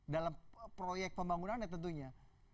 dalam proyek pembangunan ya tentunya